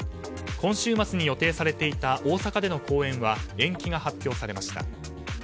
今週末に予定されていた大阪での公演は延期が発表されました。